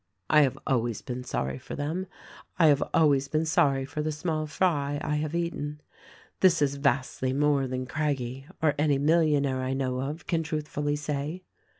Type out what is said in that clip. I have always been sorry for them. I have always been sorry for the small fry I have eaten. This is vastly more than Craggie, or any millionaire I know of, can truthfully say.